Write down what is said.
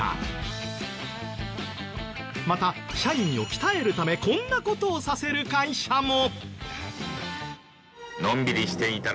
また社員を鍛えるためこんな事をさせる会社も！